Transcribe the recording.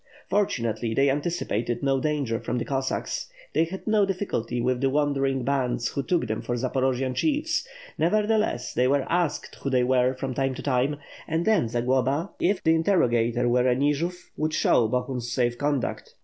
Fortunately, they anticipated no danger from the Cossacks; they had no difficulty with the wandering bands who took them for Zaporojian chiefs; nevertheless, they were asked who they were from time to time, and then Zagloba, if the interrogator were a Nijov would show Bo hun's safe conduct.